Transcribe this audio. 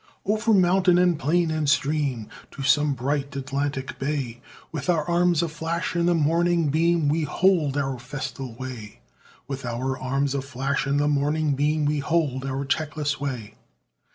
Over mountain and plain and stream, To some bright Atlantic bay, With our arms aflash in the morning beam, We hold our festal way; With our arms aflash in the morning beam, We hold our checkless way!